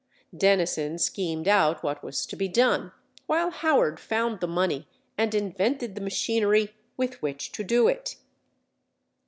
Dennison schemed out what was to be done, while Howard found the money and invented the machinery with which to do it.